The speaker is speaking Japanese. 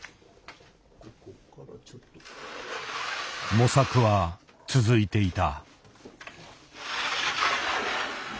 模索は続いていた。